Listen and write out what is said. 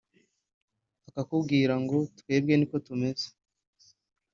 akakubwira ngo “Twebwe ni ko tumeze